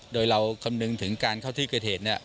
โดยเราคำนึงถึงการเข้าที่เกิดเหตุ